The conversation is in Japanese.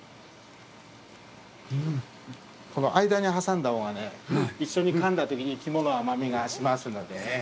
間に挟んだほうがね、一緒にかんだときに肝の甘みがしますので。